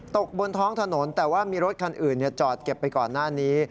บนท้องถนนแต่ว่ามีรถคันอื่นจอดเก็บไปก่อนหน้านี้